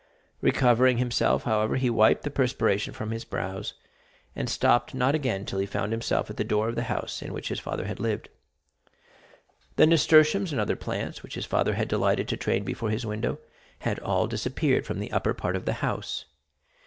Recovering himself, however, he wiped the perspiration from his brows, and stopped not again till he found himself at the door of the house in which his father had lived. The nasturtiums and other plants, which his father had delighted to train before his window, had all disappeared from the upper part of the house.